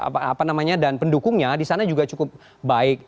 pekab dari ca ibin dan pendukungnya di sana juga cukup baik